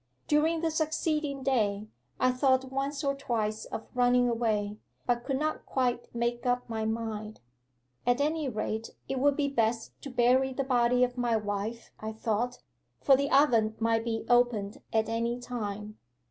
During the succeeding day I thought once or twice of running away, but could not quite make up my mind. At any rate it would be best to bury the body of my wife, I thought, for the oven might be opened at any time.